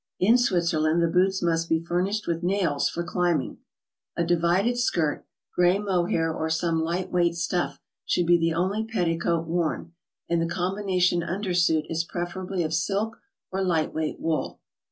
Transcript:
In Switzerland the boots must be fur nished with nails, for climbing. A divided skirt (gray mohair or some light weight stuff) should be the only petticoat worn, and the combination undersuit is preferably of silk or light weight wool.